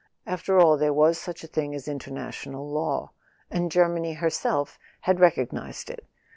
After all, there was such a thing as international law, and Germany herself had recog¬ nized it.